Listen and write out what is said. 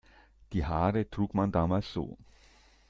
Die Haare trug man damals so.